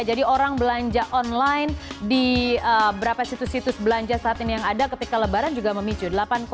jadi orang belanja online di berapa situs situs belanja saat ini yang ada ketika lebaran juga memicu